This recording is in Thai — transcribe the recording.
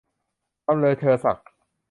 บำเรอเชอภักดิ์